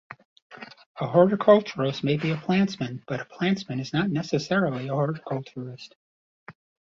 A horticulturist may be a plantsman, but a plantsman is not necessarily a horticulturist.